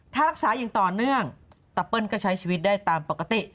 ถ้ารักษาอย่างต่อเนื่องตะเปิ้ลก็ใช้ชีวิตได้ตามปกติ